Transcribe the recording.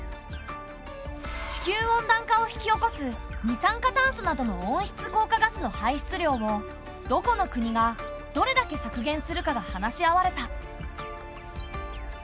地球温暖化を引き起こす二酸化炭素などの温室効果ガスの排出量をどこの国がどれだけ削減するかが話し合われた。